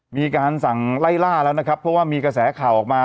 มีการสั่งไล่ล่าแล้วนะครับเพราะว่ามีกระแสข่าวออกมา